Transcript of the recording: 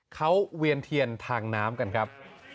เขาเวียนเทียนทางน้ำกันครับ